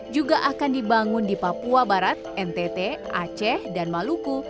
juga akan dibangun di papua barat ntt aceh dan maluku